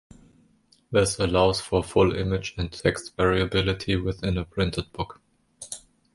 This allows for full image and text variability within a printed book.